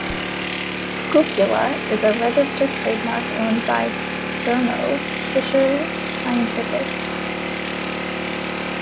"Scoopula" is a registered trademark owned by Thermo Fisher Scientific.